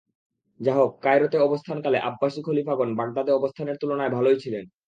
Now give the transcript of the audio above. যাহোক, কায়রোতে অবস্থানকালে আব্বাসী খলীফাগণ বাগদাদে অবস্থানের তুলনায় ভালই ছিলেন।